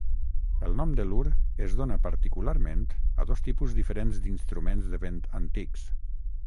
El nom de lur es dóna particularment a dos tipus diferents d'instruments de vent antics.